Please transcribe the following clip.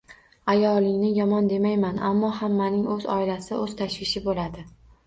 Ayolingni yomon demayman, ammo hammaning o`z oilasi, o`z tashvishi bo`ladi